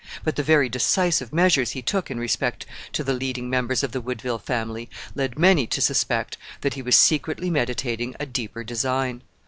But the very decisive measures he took in respect to the leading members of the Woodville family led many to suspect that he was secretly meditating a deeper design.